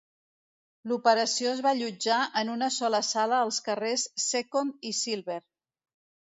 L'operació es va allotjar en una sola sala als carrers Second i Silver.